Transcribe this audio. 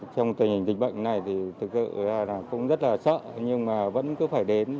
trong tình hình dịch bệnh này thì thực sự cũng rất là sợ nhưng mà vẫn cứ phải đến